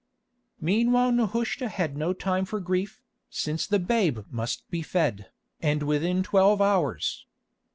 Meanwhile Nehushta had no time for grief, since the babe must be fed, and within twelve hours.